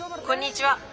「こんにちは。